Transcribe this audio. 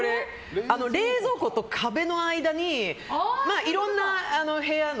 冷蔵庫と壁の間にいろんな部屋の。